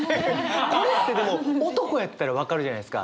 これってでも男やったら分かるじゃないですか。